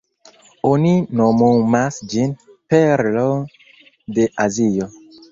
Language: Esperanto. Oni nomumas ĝin "Perlo de Azio".